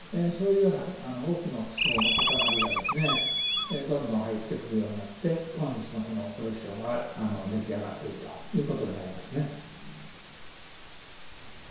そういうような多くの寄贈の塊がですねどんどん入ってくるようになって今日のこのコレクションが出来上がってるということになりますね。